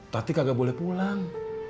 tati kagak boleh pulang